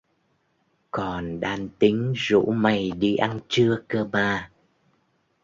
Còn đang tính rủ mày đi ăn trưa cơ mà